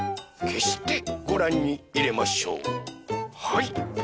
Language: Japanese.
はい。